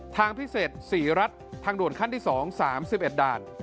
ทางพิเศษ๔รัฐทางด่วนขั้นที่๒๓๑ด่าน